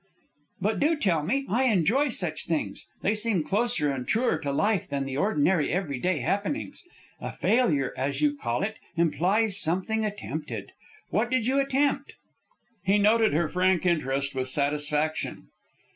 "But do tell me, I enjoy such things. They seem closer and truer to life than the ordinary every day happenings. A failure, as you call it, implies something attempted. What did you attempt?" He noted her frank interest with satisfaction.